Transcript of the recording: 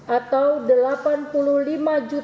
atau delapan puluh lima enam ratus tujuh tiga ratus enam puluh dua